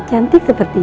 cantik seperti ibu